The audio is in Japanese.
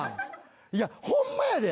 いやホンマやで。